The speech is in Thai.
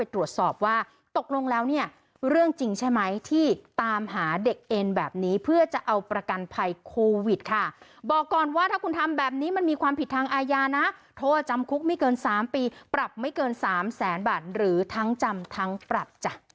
ตรวจสอบว่าตกลงแล้วเนี่ยเรื่องจริงใช่ไหมที่ตามหาเด็กเอ็นแบบนี้เพื่อจะเอาประกันภัยโควิดค่ะบอกก่อนว่าถ้าคุณทำแบบนี้มันมีความผิดทางอาญานะโทษจำคุกไม่เกิน๓ปีปรับไม่เกิน๓แสนบาทหรือทั้งจำทั้งปรับจ้ะ